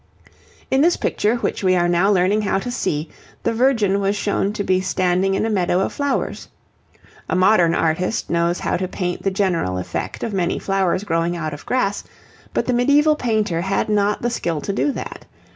In this picture which we are now learning how to see, the Virgin was to be shown standing in a meadow of flowers. A modern artist knows how to paint the general effect of many flowers growing out of grass, but the medieval painter had not the skill to do that.